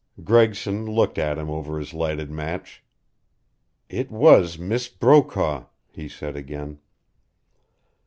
Gregson looked at him over his lighted match. "It was Miss Brokaw," he said again.